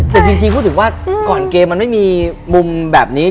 แต่จริงรู้สึกว่าก่อนเกมมันไม่มีมุมแบบนี้